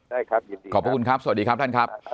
ได้ครับขอบพระคุณครับสวัสดีครับท่านครับ